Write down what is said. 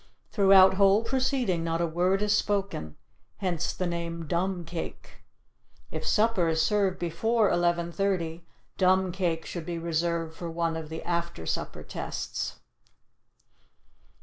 Throughout whole proceeding not a word is spoken. Hence the name "Dumb Cake." (If supper is served before 11:30, "Dumb Cake" should be reserved for one of the After Supper Tests.)